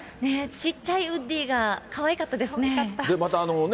ちっちゃいウッディーがかわいかったですね。